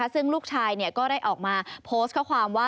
ซึ่งลูกชายก็ได้ออกมาโพสต์ข้อความว่า